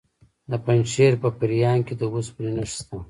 د پنجشیر په پریان کې د اوسپنې نښې شته.